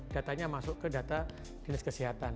datanya masuk ke data dinas kesehatan